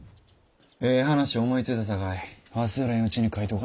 ええ話思いついたさかい忘れんうちに書いとかな。